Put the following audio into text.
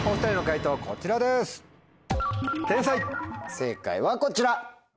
正解はこちら。